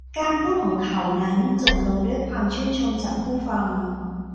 การพูดของเขานั้นจบลงด้วยความชื่นชมจากผู้ฟัง